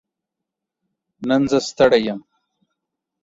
نن زه ستړې يم